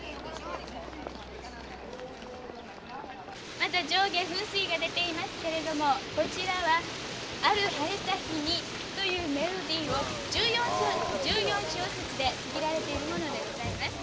また上下噴水が出ていますけれどもこちらは「ある晴れた日に」というメロディーを１４小節で区切られているものでございます。